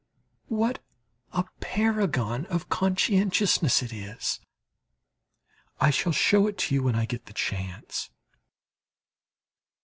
What a paragon of conscientiousness it is! I shall show it to you when I get the chance.